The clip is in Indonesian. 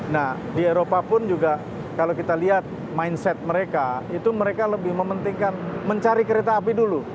nah di eropa pun juga kalau kita lihat mindset mereka itu mereka lebih mementingkan mencari kereta api dulu